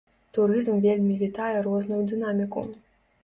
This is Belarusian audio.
Турызм вельмі вітае розную дынаміку.